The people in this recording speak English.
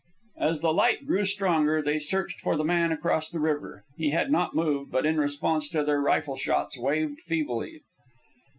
As the light grew stronger, they searched for the man across the river. He had not moved, but in response to their rifle shots waved feebly.